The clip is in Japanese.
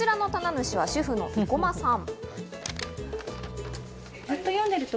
主は主婦の生駒さん。